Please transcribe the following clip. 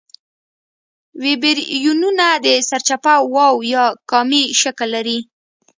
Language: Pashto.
ویبریونونه د سرچپه واو یا کامي شکل لري.